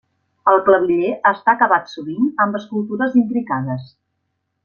El claviller està acabat sovint amb escultures intricades.